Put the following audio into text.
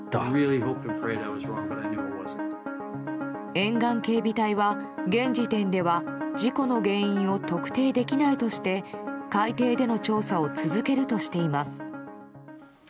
沿岸警備隊は、現時点では事故の原因を特定できないとして海底での調査を続けるとしています。